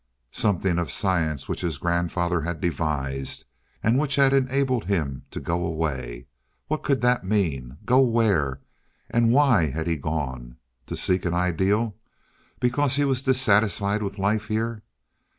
Something of science which his grandfather had devised, and which had enabled him to go away. What could that mean? Go where? And why had he gone? To seek an ideal? Because he was dissatisfied with life here?